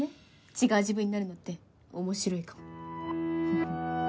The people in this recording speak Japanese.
違う自分になるのって面白いかもフフ。